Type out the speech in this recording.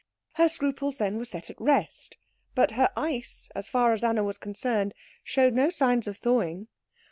Her scruples, then, were set at rest, but her ice as far as Anna was concerned showed no signs of thawing.